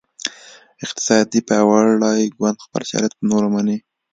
اقتصادي پیاوړی ګوند خپل شرایط په نورو مني